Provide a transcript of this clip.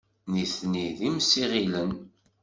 Nitni d imsiɣilen.